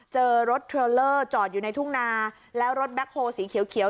เจอรถเทรลเลอร์จอดอยู่ในทุ่งนาแล้วรถแบ็คโฮลสีเขียว